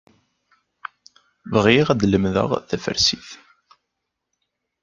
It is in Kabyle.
Bɣiɣ ad lemdeɣ tafarsit.